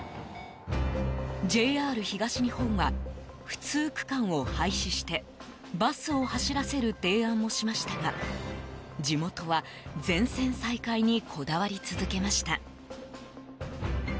ＪＲ東日本は不通区間を廃止してバスを走らせる提案もしましたが地元は、全線再開にこだわり続けました。